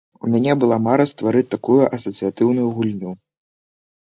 У мяне была мара стварыць такую асацыятыўную гульню.